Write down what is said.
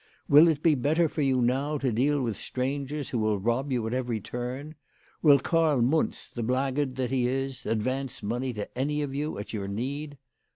" Will it be better for you now to deal with strangers who will rob you at every turn ? Will Karl Muntz, the blackguard that he is, advance money to any of you at your need